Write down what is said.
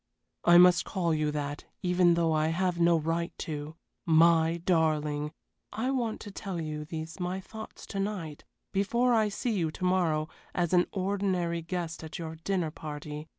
"I must call you that even though I have no right to. My darling I want to tell you these my thoughts to night, before I see you to morrow as an ordinary guest at your dinner party.